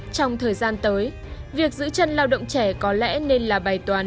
trong thời gian tới việc giữ chân lao động trẻ có lẽ nên là bài toán